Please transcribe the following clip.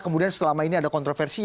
kemudian selama ini ada kontroversi